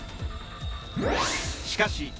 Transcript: しかし